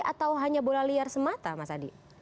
atau hanya bola liar semata mas adi